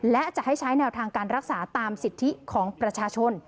และจะให้ใช้แนวทางการรักษาตามสิทธิของประชาชน